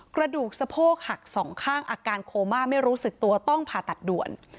กระดูกสะโพกหักสองข้างอาการโคม่าไม่รู้สึกตัวต้องผ่าตัดด่วน